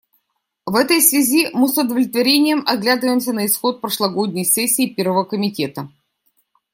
В этой связи мы с удовлетворением оглядываемся на исход прошлогодней сессии Первого комитета.